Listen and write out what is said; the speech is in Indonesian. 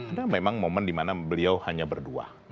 ada memang momen di mana beliau hanya berdua